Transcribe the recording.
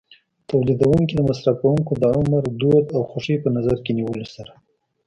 تولیدوونکي د مصرف کوونکو د عمر، دود او خوښۍ په نظر کې نیولو سره.